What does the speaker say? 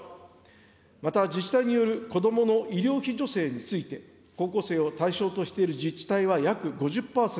また、自治体によるこどもの医療費助成について、高校生を対象としている自治体は約５０％。